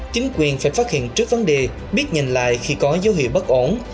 chính quyền phải phát hiện trước vấn đề biết nhìn lại khi có dấu hiệu bất ổn